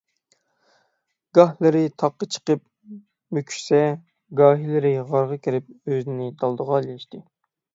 گاھىلىرى تاغقا چىقىپ مۆكۈشسە، گاھىلىرى غارغا كىرىپ ئۆزىنى دالدىغا ئېلىشتى.